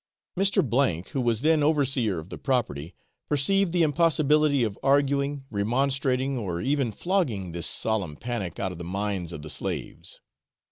Mr. K , who was then overseer of the property, perceived the impossibility of arguing, remonstrating, or even flogging this solemn panic out of the minds of the slaves.